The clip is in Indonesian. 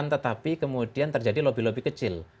tetapi kemudian terjadi lobby lobby kecil